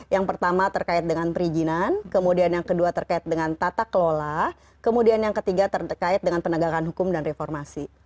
yang pertama terkait dengan perizinan kemudian yang kedua terkait dengan tata kelola kemudian yang ketiga terkait dengan penegakan hukum dan reformasi